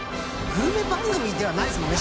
グルメ番組ではないですもんね